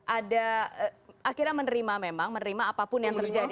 ada akhirnya menerima memang menerima apapun yang terjadi